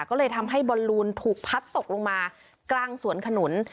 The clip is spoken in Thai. ก็เลยทำให้บอลลูนถูกพัดตกลงมากลางสวนขนุน